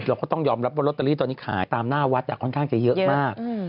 เราก็ต้องยอมรับว่าลอตเตอรี่ตอนนี้ขายตามหน้าวัดค่อนข้างจะเยอะมาก